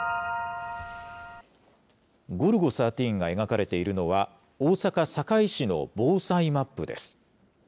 ゴルゴ１３が描かれているのは、大阪・堺市の防災マップです。